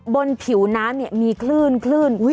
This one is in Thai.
บนผิวน้ำมีคลื่น